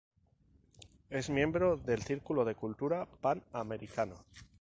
Es miembro del Círculo de Cultura Pan-Americano.